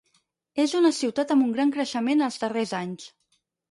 És una ciutat amb un gran creixement als darrers anys.